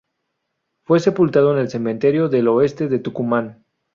Fue sepultado en el Cementerio del Oeste de Tucumán.